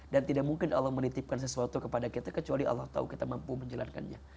dan tidak mungkin allah menitipkan sesuatu kepada kita kecuali allah tahu kita mampu menjalankannya